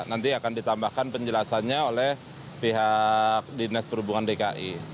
nanti akan ditambahkan penjelasannya oleh pihak dinas perhubungan dki